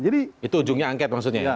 jadi itu ujungnya angket maksudnya ya